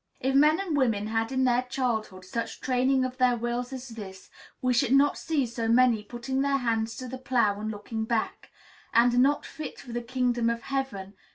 If men and women had in their childhood such training of their wills as this, we should not see so many putting their hands to the plough and looking back, and "not fit for the kingdom of heaven."